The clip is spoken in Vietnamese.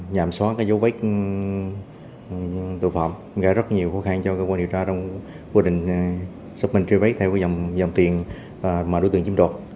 nhàm xóa dấu vết tội phạm gây rất nhiều khó khăn cho cơ quan điều tra trong quy định sắp mình truyền vết theo dòng tiền mà đối tượng chiếm đoạt